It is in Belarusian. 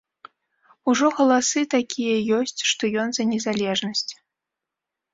Ужо галасы такія ёсць, што ён за незалежнасць.